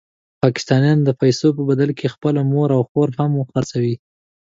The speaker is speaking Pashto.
پاکستانیان د پیسو په بدل کې خپله مور او خور هم خرڅوي.